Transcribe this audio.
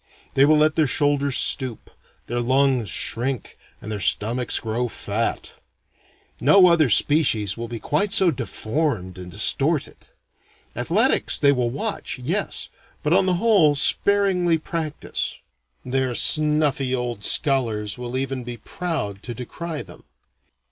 They will let their shoulders stoop, their lungs shrink, and their stomachs grow fat. No other species will be quite so deformed and distorted. Athletics they will watch, yes, but on the whole sparingly practise. Their snuffy old scholars will even be proud to decry them.